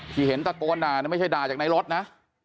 ที่เห็นตะโกนด่าไม่ใช่ด่าจากในรถนะ